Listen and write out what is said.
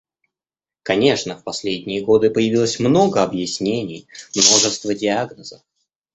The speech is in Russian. Конечно, в последние годы появилось много объяснений, множество диагнозов,.